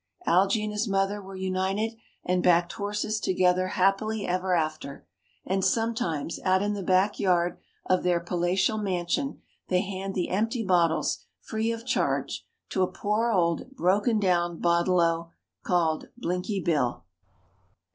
Algy and his mother were united, and backed horses together happily ever after, and sometimes out in the back yard of their palatial mansion they hand the empty bottles, free of charge, to a poor old broken down bottle O, called Blinky Bill.